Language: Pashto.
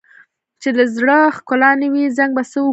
چې د زړه ښکلا نه وي، زنګ به څه وکړي؟